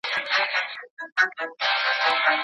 حکومتونه به نوي تړونونه لاسلیک کړي.